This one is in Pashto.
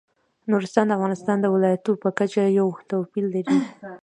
نورستان د افغانستان د ولایاتو په کچه یو توپیر لري.